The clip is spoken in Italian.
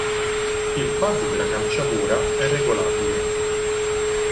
Il pad della calciatura è regolabile.